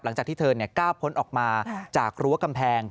หลังจากที่เธอก้าวพ้นออกมาจากรั้วกำแพง